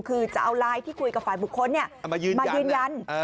คือจะเอาไลน์ที่คุยกับฝ่ายบุคคลมายืนยัน